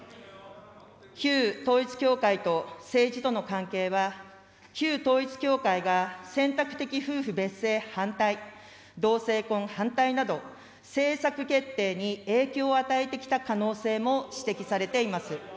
旧統一教会と政治との関係は、旧統一教会が、選択的夫婦別姓反対、同性婚反対など、政策決定に影響を与えてきた可能性も指摘されています。